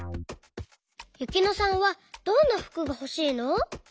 ゆきのさんはどんなふくがほしいの？